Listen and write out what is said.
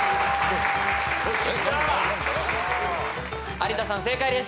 有田さん正解です。